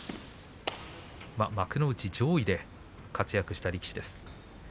幕内上位で活躍した力士です。